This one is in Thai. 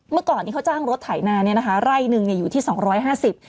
เมื่อก่อนเขาจ้างรถไถนาไร่หนึ่งอยู่ที่๒๕๐บาท